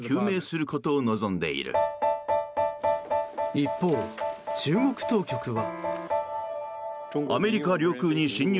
一方、中国当局は。